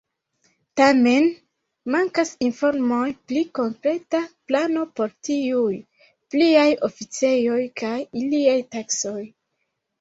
Tamen mankas informoj pri konkreta plano por tiuj "pliaj oficejoj" kaj iliaj taskoj.